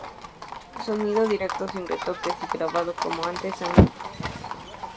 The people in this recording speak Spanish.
Sonido directo, sin retoques y grabado como antes, en una sola toma.